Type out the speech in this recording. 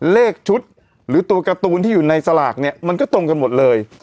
เลขชุดหรือตัวการ์ตูนที่อยู่ในสลากเนี่ยมันก็ตรงกันหมดเลย